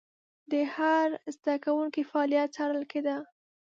د هر زده کوونکي فعالیت څارل کېده.